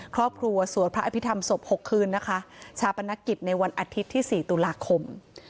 สวดพระอภิษฐรรมศพ๖คืนนะคะชาปนกิจในวันอาทิตย์ที่๔ตุลาคม